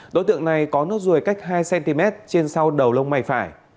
đối tượng này có nốt ruồi cách hai cm trên sau đầu lông mày phải